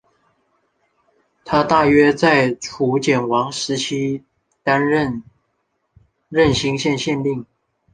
他大约在楚简王时期担任圉县县令。